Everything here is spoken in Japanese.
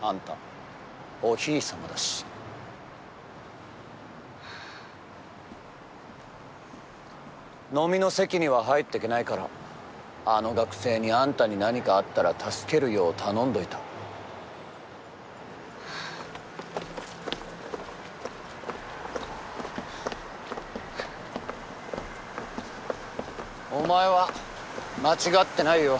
あんたお姫様だし飲みの席には入っていけないからあの学生にあんたに何かあったら助けるよう頼んどいたお前は間違ってないよ